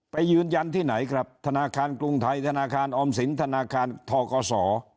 ไปยืนยันที่ไหนครับธนาคารกรุงไทยธนาคารออมสินธนาคารทกศ